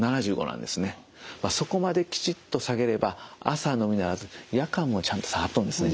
そこまできちっと下げれば朝のみならず夜間もちゃんと下がっとんですね